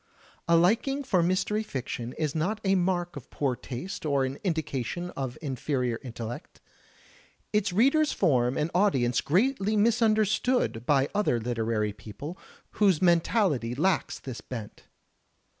A liking for mystery fiction is not a mark of poor taste or an indication of inferior intellect. Its readers form an audience greatly misunderstood by other literary people whose mentality lacks this bent.